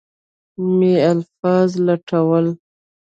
مې الفاظ لټول.